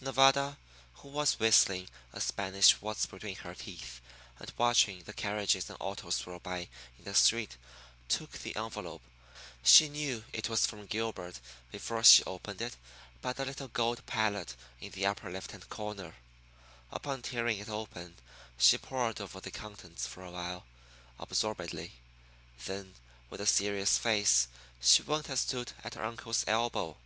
Nevada, who was whistling a Spanish waltz between her teeth, and watching the carriages and autos roll by in the street, took the envelope. She knew it was from Gilbert, before she opened it, by the little gold palette in the upper left hand corner. After tearing it open she pored over the contents for a while, absorbedly. Then, with a serious face, she went and stood at her uncle's elbow.